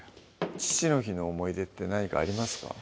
父の日の思い出って何かありますか？